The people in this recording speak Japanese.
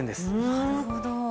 なるほど。